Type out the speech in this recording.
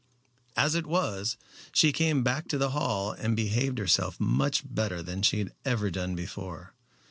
As it was, she came back to the Hall and behaved herself much better than she had ever done before.